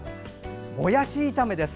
もやし炒めです。